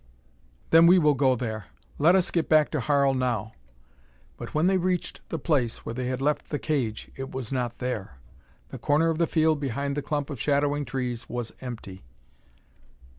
"Then we will go there. Let us get back to Harl, now." But when they reached the place where they had left the cage, it was not there! The corner of the field behind the clump of shadowing trees was empty.